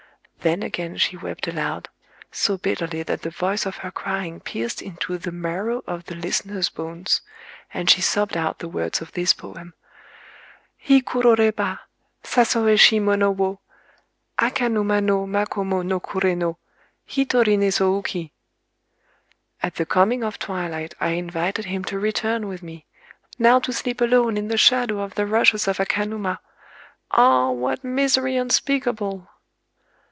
Then again she wept aloud,—so bitterly that the voice of her crying pierced into the marrow of the listener's bones;—and she sobbed out the words of this poem:— Hi kururéba Sasoëshi mono wo— Akanuma no Makomo no kuré no Hitori né zo uki! [_"At the coming of twilight I invited him to return with me—! Now to sleep alone in the shadow of the rushes of Akanuma—ah! what misery unspeakable!"